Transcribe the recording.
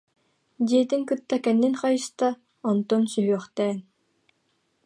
диэтин кытта кэннин хайыста, онтон сүһүөхтээн: